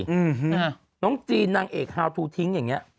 อ้าวน้องจีนนางเอกฮาวทูทิ้งอย่างนี้